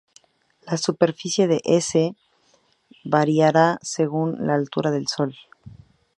La superficie de S variará según la altura del Sol.